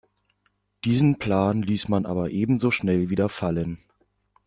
Diesen Plan ließ man aber ebenso schnell wieder fallen.